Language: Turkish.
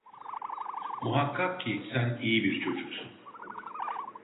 Muhakkak ki sen iyi bir çocuksun!